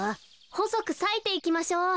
ほそくさいていきましょう。